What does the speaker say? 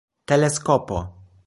teleskopo